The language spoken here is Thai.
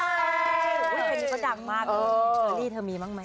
เซร์นี่เค้าดังมากโอ้นี่เธอมีบ้างมั้ยค่ะ